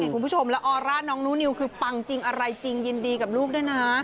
คุณผู้ชมแล้วออร่าน้องหนูนิวคือปังจริงอะไรจริงยินดีกับลูกด้วยนะ